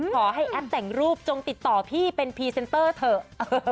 แอปแต่งรูปจงติดต่อพี่เป็นพรีเซนเตอร์เถอะ